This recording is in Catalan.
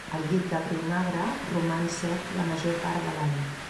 El llit del riu Magre roman sec la major part de l'any.